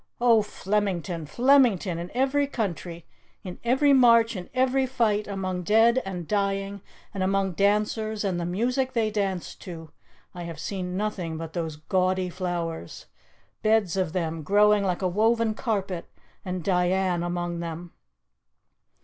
Oh, Flemington, Flemington! In every country, in every march, in every fight, among dead and dying, and among dancers and the music they danced to, I have seen nothing but those gaudy flowers beds of them growing like a woven carpet, and Diane among them!"